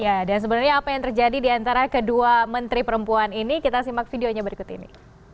ya dan sebenarnya apa yang terjadi di antara kedua menteri perempuan ini kita simak videonya berikut ini